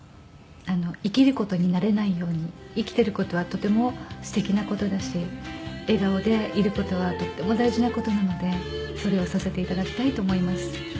生きる事に慣れないように生きている事はとてもすてきな事だし笑顔でいる事はとっても大事な事なのでそれをさせて頂きたいと思います。